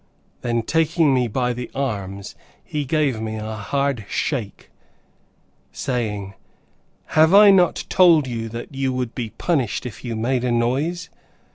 Then taking me by the arms, he gave me a hard shake, saying, "Have I not told you that you would be punished, if you made a noise?